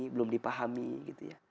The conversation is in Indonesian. belum dipahami gitu ya